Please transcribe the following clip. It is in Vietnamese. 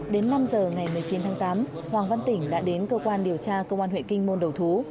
đến năm giờ ngày một mươi chín tháng tám hoàng văn tỉnh đã đến cơ quan điều tra công an huyện kinh môn đầu thú